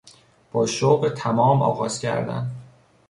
با شوق تمام آغاز کردن